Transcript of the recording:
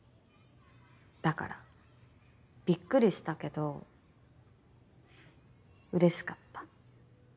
だからびっくりしたけどうれしかった。